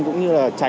cũng như là trả lời